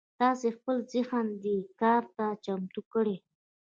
تاسې خپل ذهن دې کار ته چمتو کړئ.